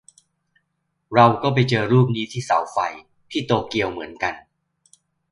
เราก็ไปเจอรูปนี้ที่เสาไฟ ที่โตเกียวเหมือนกัน